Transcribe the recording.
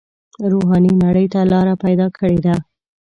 روحاني نړۍ ته لاره پیدا کړې ده.